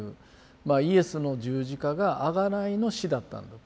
まあイエスの十字架があがないの死だったんだと。